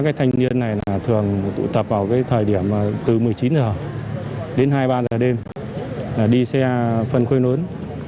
các thanh niên này thường tụ tập vào thời điểm từ một mươi chín h đến hai mươi ba h đêm là đi xe phân khối lớn